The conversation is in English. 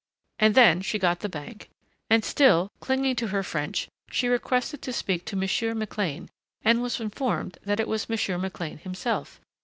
And then she got the Bank, and, still clinging to her French, she requested to speak to Monsieur McLean and was informed that it was Monsieur McLean himself.